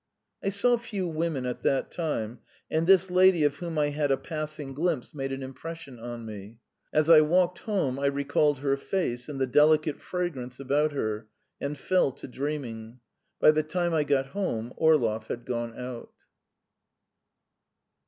I saw few women at that time, and this lady of whom I had a passing glimpse made an impression on me. As I walked home I recalled her face and the delicate fragrance about her, and fell to dreaming. By the time I got home Orlov had gone out.